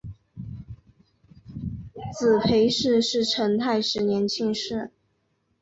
子裴栻是成泰十年进士。